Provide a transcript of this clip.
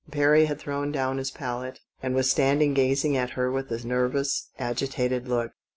Perry had thrown down his palette, and was standing gazing at her with a nervous, agitated look.